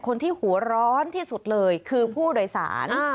คนที่หัวร้อนที่สุดเลยคือผู้โดยสาร